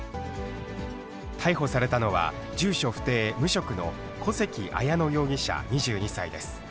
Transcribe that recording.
逮捕されたのは、住所不定無職の小関彩乃容疑者２２歳です。